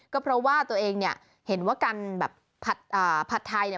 ก็เพราะว่าตัวเองเนี่ยเห็นว่าการแบบผัดผัดไทยเนี่ย